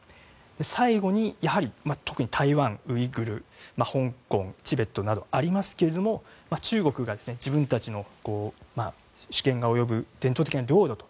最後に特に台湾、ウイグル、香港チベットなどありますが中国が、自分たちの主権が及ぶ伝統的な領土と。